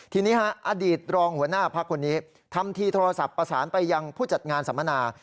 ทีนี้ฮะอดีตรองหัวหน้าพักคนนี้ทำทีโทรศัพท์ประสานไปยังผู้จัดงานสัมมนา